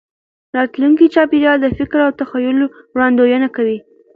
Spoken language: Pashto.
راتلونکي چاپېریال د فکر او تخیل وړاندوینه کوي.